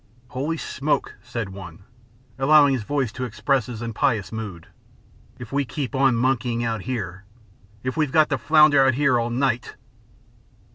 "Holy smoke!" said one, allowing his voice to express his impious mood, "if we keep on monkeying out here! If we've got to flounder out here all night!"